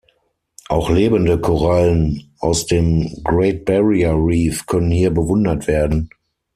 Auch lebende Korallen aus dem Great Barrier Reef können hier bewundert werden.